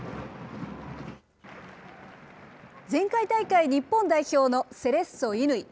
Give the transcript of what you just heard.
前回大会、日本代表のセレッソ、乾。